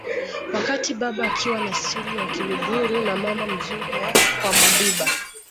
wakati baba akiwa na sili ya kiluguru na mama mzulu wa kwamadiba